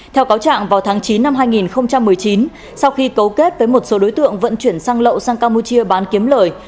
theo cáo trạng vào tháng chín năm hai nghìn một mươi chín sau khi cấu kết với một số đối tượng vận chuyển sang lậu sang campuchia bán kiếm lời